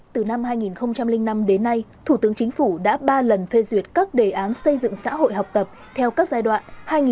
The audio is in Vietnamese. từ năm hai nghìn năm đến nay thủ tướng chính phủ đã ba lần phê duyệt các đề án xây dựng xã hội học tập theo các giai đoạn